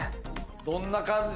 どんな感じ？